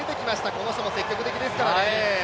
この人も積極的ですからね。